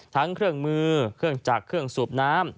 ทั้งเครื่องมือเครื่องจักรเครื่องสูบน้ำ